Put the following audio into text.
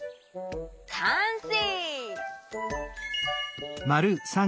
かんせい！